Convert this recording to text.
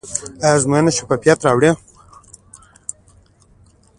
آیا ازموینه شفافیت راوړي؟